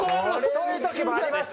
そういう時もあります。